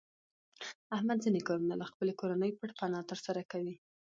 احمد ځنې کارونه له خپلې کورنۍ پټ پناه تر سره کوي.